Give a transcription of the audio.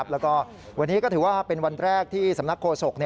แล้วก็วันนี้ก็ถือว่าเป็นวันแรกที่สำนักโฆษก